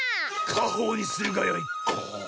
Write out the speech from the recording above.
かほうにするがよい。